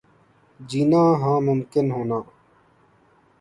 جینا ہاں ممکن ہونا